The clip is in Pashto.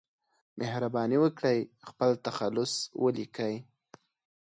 مهرباني وکړئ خپل تخلص ولیکئ